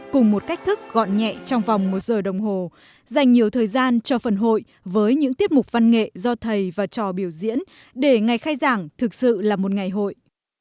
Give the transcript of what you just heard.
cùng một cách thức gọn nhẹ trong vòng một giờ đồng hồ dành nhiều thời gian cho phần hội với những tiết mục văn nghệ do thầy và trò biểu diễn để ngày khai giảng thực sự là một ngày hội